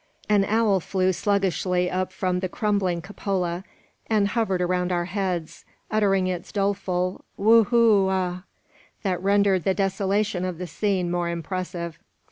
An owl flew sluggishly up from the crumbling cupola, and hovered around our heads, uttering its doleful "woo hoo a," that rendered the desolation of the scene more impressive.